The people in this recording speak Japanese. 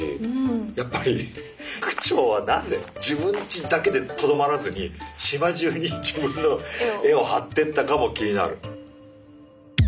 やっぱり区長はなぜ自分ちだけでとどまらずに島中に自分の絵を貼ってったかも気になる。